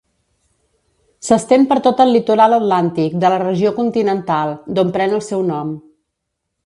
S'estén per tot el litoral Atlàntic de la regió continental, d'on pren el seu nom.